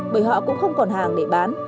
bởi họ cũng không còn hàng để bán